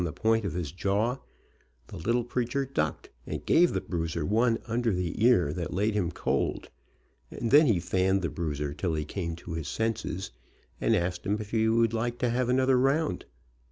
RED HEADED BOY ANGEL 53 point of his jaw, the little preacher ducked and gave the bruiser one under the ear that laid him cold, and then he fanned the bruiser till he came to his senses, and asked him if he would like to have another round.